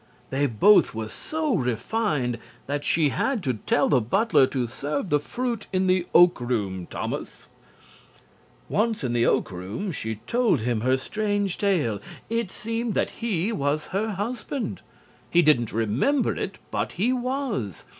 They both were so refined that she had to tell the butler to "serve the fruit in the Oak Room, Thomas." Once in the Oak Room she told him her strange tale. It seemed that he was her husband. He didn't remember it, but he was.